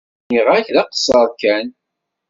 Nniɣ-ak d aqeṣṣer kan.